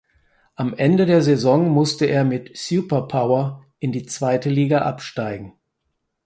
Am Ende der Saison musste er mit "Super Power" in die zweite Liga absteigen.